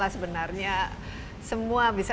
sebenarnya semua bisa